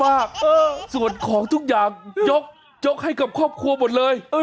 ส่วนของทุกอย่างยกยกให้กับครอบครัวหมดเลย